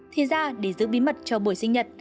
thì ra để giữ bí mật cho buổi sinh nhật